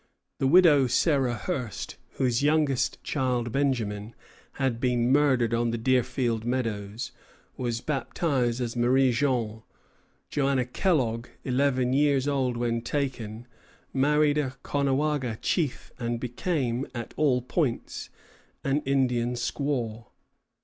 The widow, Sarah Hurst, whose youngest child, Benjamin, had been murdered on the Deerfield meadows, was baptized as Marie Jeanne. Joanna Kellogg, eleven years old when taken, married a Caughnawaga chief, and became, at all points, an Indian squaw.